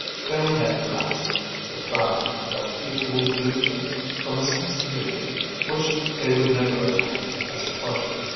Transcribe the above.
Spayley had grasped the fact that people will do things from a sense of duty which they would never attempt as a pleasure.